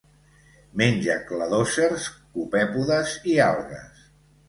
Menja cladòcers, copèpodes i algues.